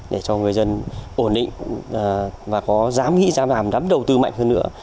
để cho người dân ổn định và có dám nghĩ dám làm đắm đầu tư mạnh hơn nữa